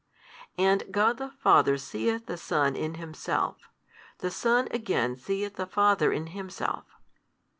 And God the Father seeth the Son in Himself, the Son again seeth the Father in Himself.